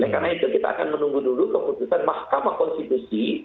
karena itu kita akan menunggu dulu keputusan mahkamah konstitusi